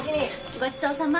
ごちそうさま。